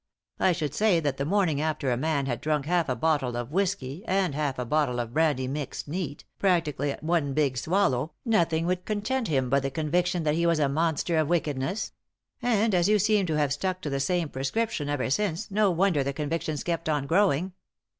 I should say that the morning after a man had drunk half a bottle of whisky and half a bottle of brandy mixed neat, practically at one big swallow, nothing would content him but the con viction that he was a monster of wickedness ; and as you seem to have stuck to the same prescription ever since, no wonder the conviction's kept on growing."